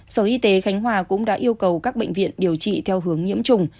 sở y tế khánh hòa cũng đã yêu cầu các bệnh viện điều trị theo hướng nhiễm trùng